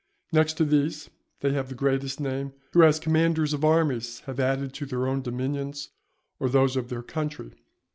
Next to these, they have the greatest name who as commanders of armies have added to their own dominions or those of their country.